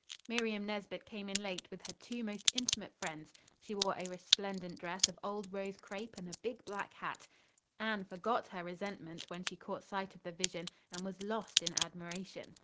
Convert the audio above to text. Miriam Nesbit came in late with her two most intimate friends. She wore a resplendent dress of old rose crepe and a big black hat. Anne forgot her resentment when she caught sight of the vision and was lost in admiration.